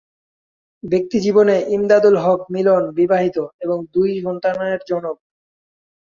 ব্যক্তিজীবনে ইমদাদুল হক মিলন বিবাহিত এবং দুই সন্তানের জনক।